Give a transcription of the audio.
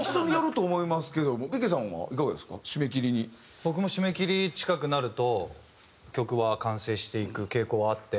僕も締め切り近くなると曲は完成していく傾向はあって。